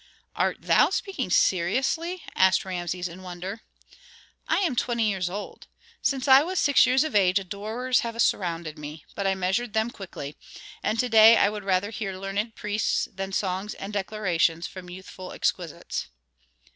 "Art thou speaking seriously?" asked Rameses in wonder. "I am twenty years old. Since I was six years of age adorers have surrounded me; but I measured them quickly. And to day I would rather hear learned priests than songs and declarations from youthful exquisites."